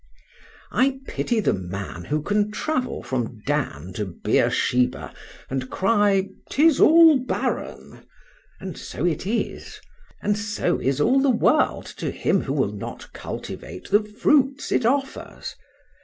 I pity the man who can travel from Dan to Beersheba, and cry, 'Tis all barren;—and so it is: and so is all the world to him who will not cultivate the fruits it offers.